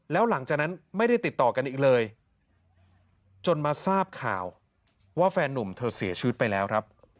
แล้วหลังจากนั้นไม่ได้ติดต่อกันอีกเลยจนมาทราบข่าวว่าแฟนนุ่มเธอเสียชีวิตไปแล้วครับ